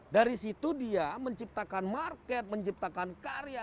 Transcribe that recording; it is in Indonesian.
dari situ dia menciptakan market menciptakan karya